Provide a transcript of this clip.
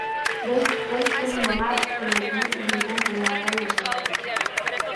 بىز بىر سول مېڭە ئۈستۈنلۈكنى ئىگىلىگەن دۇنيادا ياشايمىز.